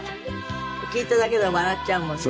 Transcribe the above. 聞いただけで笑っちゃうもんね。